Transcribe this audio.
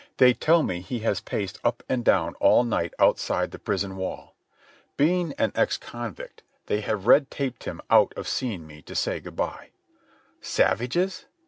They tell me he has paced up and down all night outside the prison wall. Being an ex convict, they have red taped him out of seeing me to say good bye. Savages?